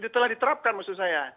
telah diterapkan maksud saya